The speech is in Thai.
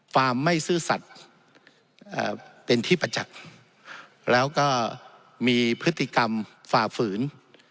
ความไม่ซื่อสัตว์เป็นที่ประจักษ์แล้วก็มีพฤติกรรมฝ่าฝืน